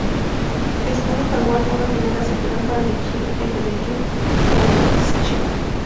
Escudo Jaguar fue una figura central para dirigir el devenir de Yaxchilán.